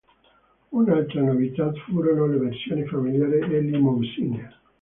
Un'altra novità furono le versioni familiare e limousine.